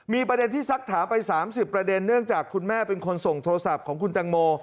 มีประเด็นที่ซักถามไป๓๐ประเด็นเนื่องจากคุณแม่เป็นคนส่งโทรศัพท์ของคุณตังโม